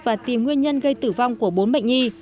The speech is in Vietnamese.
và tìm nguyên nhân gây tử vong của bốn bệnh nhi